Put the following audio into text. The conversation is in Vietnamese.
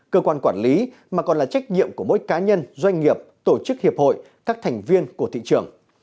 cơ quan quản lý mà còn là trách nhiệm của mỗi cá nhân doanh nghiệp tổ chức hiệp hội các thành viên của thị trường